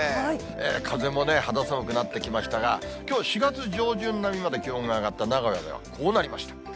風もね、肌寒くなってきましたが、きょう、４月上旬並みまで気温が上がった名古屋では、こうなりました。